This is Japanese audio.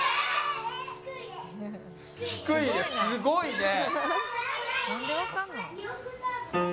すごいね。